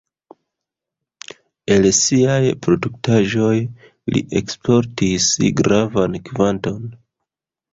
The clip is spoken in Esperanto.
El siaj produktaĵoj li eksportis gravan kvanton.